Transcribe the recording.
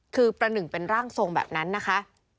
คือประหนึ่งเป็นร่างทรงแบบนั้นนะคะ